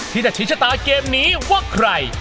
ที่จะชี้ชะตาเกมนี้ว่าใคร